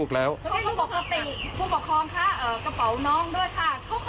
ทุกคนยังยิ่งขอขับขอบคุณครับ